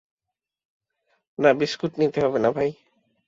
না, বিস্কুট নিতে হবে না, ভাই।